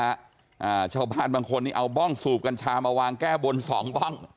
อ่าชาวบ้านบางคนนี่เอาบ้องสูบกัญชามาวางแก้บนสองบ้อง